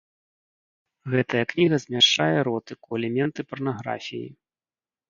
Гэтая кніга змяшчае эротыку, элементы парнаграфіі.